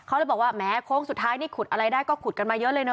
เขาเลยบอกว่าแม้โค้งสุดท้ายนี่ขุดอะไรได้ก็ขุดกันมาเยอะเลยเนอ